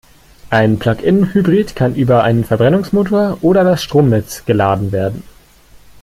Ein Plug-in-Hybrid kann über einen Verbrennungsmotor oder das Stromnetz geladen werden.